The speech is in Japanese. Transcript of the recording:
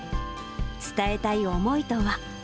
伝えたい思いとは。